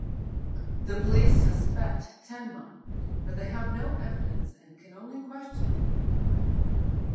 The police suspect Tenma, but they have no evidence and can only question him.